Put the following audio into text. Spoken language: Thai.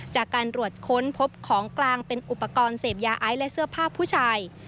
จากการตรวจค้นพบของกลางเป็นอุปกรณ์เสพยาไอซ์และเสื้อผ้าผู้ชาย